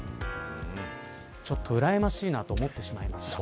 ちょっと、うらやましいなと思ってしまいました。